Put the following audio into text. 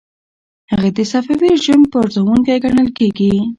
هغه د صفوي رژیم پرزوونکی ګڼل کیږي.